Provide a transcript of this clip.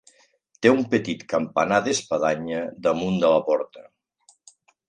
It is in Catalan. Té un petit campanar d'espadanya damunt de la porta.